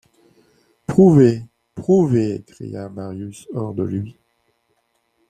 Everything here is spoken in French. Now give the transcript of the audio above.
Prouvez ! prouvez ! cria Marius hors de lui.